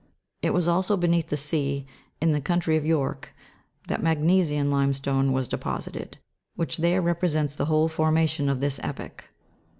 It was also beneath the sea, in the county of York, that magnesian limestone was deposited, which there repre sents the whole formation of this epoch.